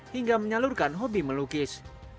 hingga menyalurkan hobi melukis